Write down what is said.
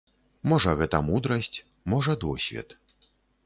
Можа, гэта мудрасць, можа, досвед.